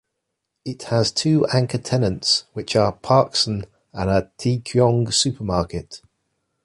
It has two anchor tenants which are Parkson and Ta Kiong Supermarket.